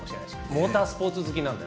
モータースポーツ好きなので。